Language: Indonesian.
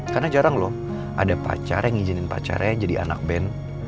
karena jarang loh ada pacar yang ngijenin pacarnya jadi anak band